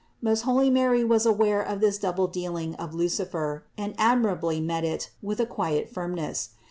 Most holy Mary was aware of this double dealing of Lucifer, and admirably met it with a quiet firmness.